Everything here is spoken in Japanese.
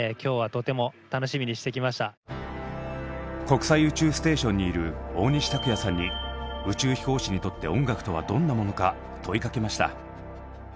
国際宇宙ステーションにいる大西卓哉さんに宇宙飛行士にとって音楽とはどんなものか問いかけました。